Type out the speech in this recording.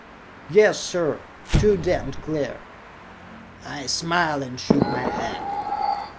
"Yes, sir. Too damned clear." I smiled and shook my head.